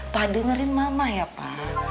pa dengerin mama ya pa